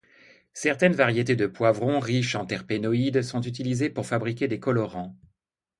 Certaines variétés de poivron riches en terpénoïdes sont utilisées pour fabriquer des colorants.